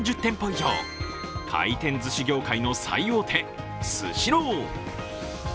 以上回転ずし業界の最大手・スシロー。